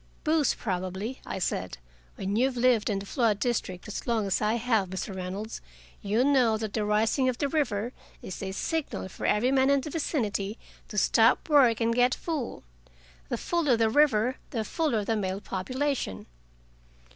"Booze, probably," I said. "When you've lived in the flood district as long as I have, Mr. Reynolds, you'll know that the rising of the river is a signal for every man in the vicinity to stop work and get full. The fuller the river, the fuller the male population."